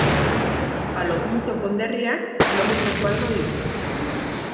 Palo Pinto konderriak kilometro koadro ditu.